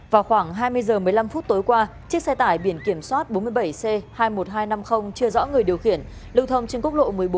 vào khoảng hai mươi h một mươi năm phút tối qua chiếc xe tải biển kiểm soát bốn mươi bảy c hai mươi một nghìn hai trăm năm mươi chưa rõ người điều khiển lưu thông trên quốc lộ một mươi bốn